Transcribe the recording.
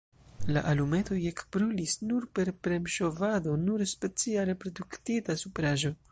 La alumetoj ekbrulis nur per premŝovado sur speciale produktita supraĵo.